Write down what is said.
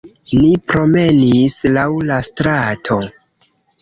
Ni promenis laŭ la strato